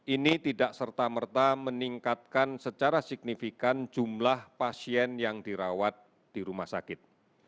ini tidak serta merta meningkatkan secara signifikan jumlah pasien yang dirawat di rumah sakit